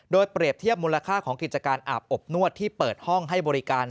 โดยเปรียบเทียบมูลค่าของกิจการอาบอบนวดที่เปิดห้องให้บริการ